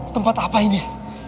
tempat apa ini